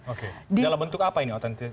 oke dalam bentuk apa ini otentik